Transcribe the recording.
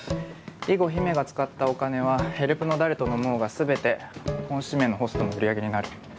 以後姫が使ったお金はヘルプの誰と飲もうが全て本指名のホストの売り上げになる。